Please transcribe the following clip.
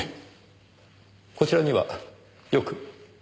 こちらにはよく？